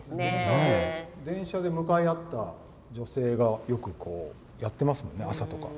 電車で向かい合った女性がよくやってますもんね、朝とか。